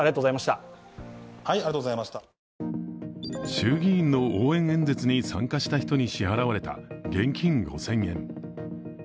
衆議院の応援演説に参加した人に支払われた現金５０００円。